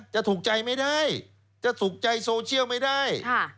จะถูกใจไม่ได้จะถูกใจโซเชียลไม่ได้